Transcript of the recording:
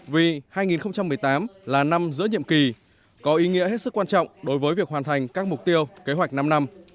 vì hai nghìn một mươi tám là năm giữa nhiệm kỳ có ý nghĩa hết sức quan trọng đối với việc hoàn thành các mục tiêu kế hoạch năm năm